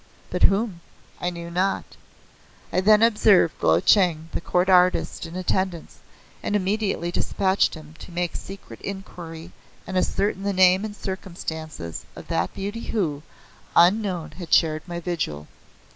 But whom? I knew not. I then observed Lo Cheng the Court Artist in attendance and immediately despatched him to make secret enquiry and ascertain the name and circumstances of that beauty who, unknown, had shared my vigil.